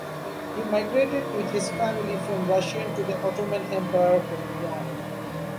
He migrated with his family from Russian to the Ottoman Empire when young.